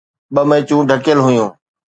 ٻه ميچون ڍڪيل هيون.